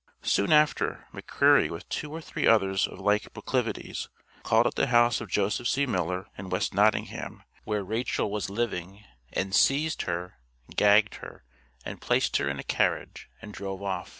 Soon after, McCreary with two or three others of like proclivities, called at the house of Joseph C. Miller, in West Nottingham, where Rachel was living, and seized her, gagged her, and placed her in a carriage and drove off.